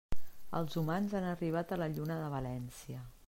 Els humans han arribat a la Lluna de València.